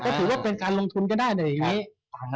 ก็ถือว่าเป็นการลงทุนก็ได้เลย